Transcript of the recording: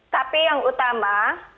tapi yang utama